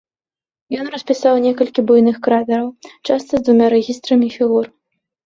Ён распісаў некалькі буйных кратараў, часта з двума рэгістрамі фігур.